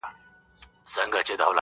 راسره جانانه .